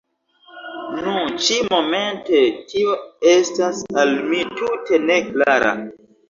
Nu, ĉi-momente tio estas al mi tute ne klara.